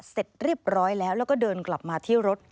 เสร็จเรียบร้อยแล้วแล้วก็เดินกลับมาที่รถ